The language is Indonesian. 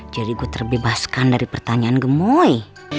jadi gue terbebaskan dari pertanyaan gemoy